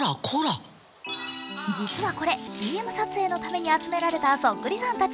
実はこれ、ＣＭ撮影のために集められたそっくりさんたち。